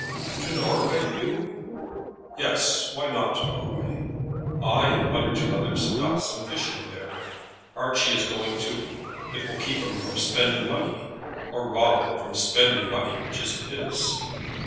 "To Norway, Hugh?" "Yes; why not to Norway? I and one or two others have got some fishing there. Archie is going too. It will keep him from spending his money; or rather from spending money which isn't his."